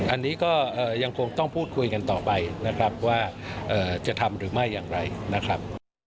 อันนี้ก็ยังคงต้องพูดคุยกันต่อไปนะครับว่าจะทำหรือไม่อย่างไรนะครับ